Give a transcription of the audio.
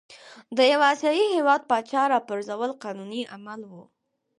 د یوه آسیايي هیواد پاچا را پرزول قانوني عمل وو.